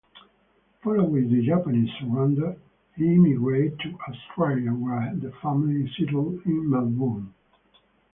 Following the Japanese surrender, he immigrated to Australia, where the family settled in Melbourne.